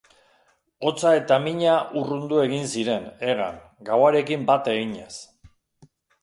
Hotza eta mina urrundu egin ziren, hegan, gauarekin bat eginez.